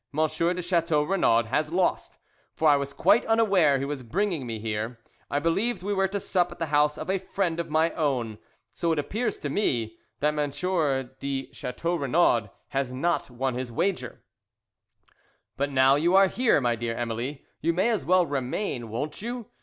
de Chateau Renaud has lost, for I was quite unaware he was bringing me here. I believed we were to sup at the house of a friend of my own. So it appears to me that M. de Chateau Renaud has not won his wager." "But now you are here, my dear Emily, you may as well remain; won't you?